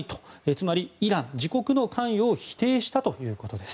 つまりイラン、自国の関与を否定したということです。